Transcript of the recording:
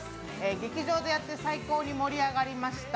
劇場でやって、最高に盛り上がりました。